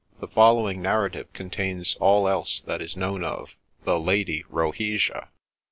The following narrative contains all else that is known of THE LADY ROHESIA.